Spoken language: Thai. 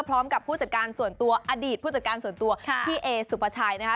พร้อมกับผู้จัดการส่วนตัวอดีตผู้จัดการส่วนตัวพี่เอสุภาชัยนะคะ